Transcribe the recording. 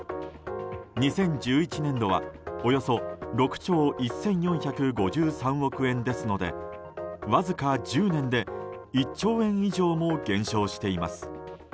２０１１年度はおよそ６兆１４５３億円ですのでわずか１０年で１兆円以上も減少しています。